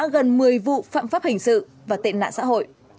gần một mươi vụ phạm pháp hình sự và tệ nạn xã hội